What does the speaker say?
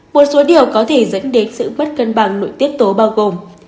một số điều có thể dẫn đến sự mất cân bằng nội tiết tố bao gồm